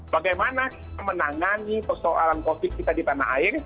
bagaimana menangani persoalan covid sembilan belas kita di tanah air